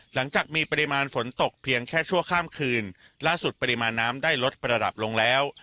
หลังจากมีปริมาณฝนตกเพียงแค่ชั่วข้ามคืนล่าสุดปริมาณน้ำได้ลดระดับลงแล้ว